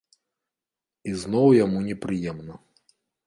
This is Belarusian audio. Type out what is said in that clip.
І зноў яму непрыемна.